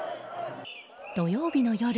土曜日の夜